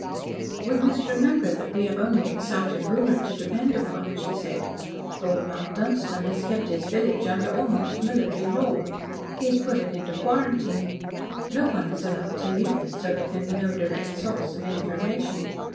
"We must remember that we have only excited rumour to depend upon," she said. "Lord Mount Dunstan has kept his village under almost military law. He has put it into quarantine. No one is allowed to leave it, so there can be no direct source of information.